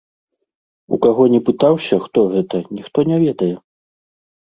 У каго не пытаўся, хто гэта, ніхто не ведае.